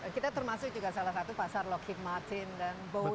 kita termasuk juga salah satu pasar locking martin dan boeing